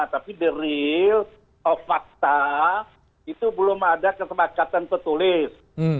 tapi the real of fakta itu belum ada kesepakatan petulis